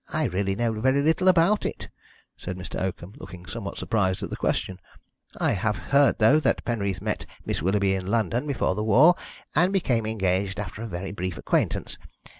"I really know very little about it," said Mr. Oakham, looking somewhat surprised at the question. "I have heard, though, that Penreath met Miss Willoughby in London before the war, and became engaged after a very brief acquaintance.